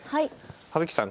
葉月さん